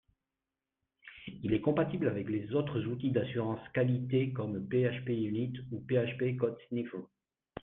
Il est compatible avec les autres outils d'assurance qualité comme PHPUnit ou PHP CodeSniffer